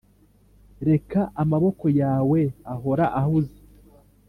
reka amaboko yawe ahora ahuze